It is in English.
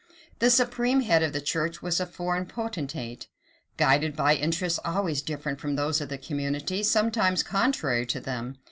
The supreme head of the church was a foreign potentate, guided by interests always different from those of the community, sometimes contrary to them.